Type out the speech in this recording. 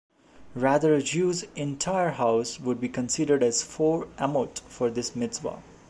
Rather, a Jew's entire house would be considered as four "amot" for this mitzvah.